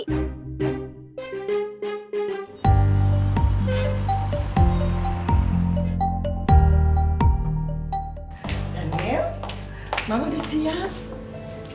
daniel mama udah siap